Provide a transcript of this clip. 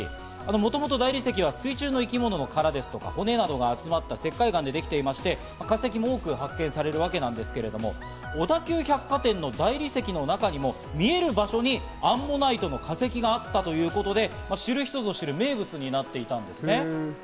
もともと大理石は水中の生き物の殻ですとか、骨などが集まってできた石灰岩でできていまして、化石も多く発見されるわけなんですけど、小田急百貨店の大理石の中にも見える場所にアンモナイトの化石があったということで、知る人ぞ知る名物になっていたんですね。